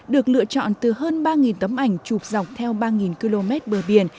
được lựa chọn từ hơn ba tấm ảnh chụp dọc theo ba km bờ biển